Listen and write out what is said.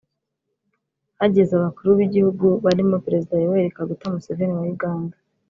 hageze abakuru b’Igihugu barimo Perezida Yoweri Kaguta Museveni wa Uganda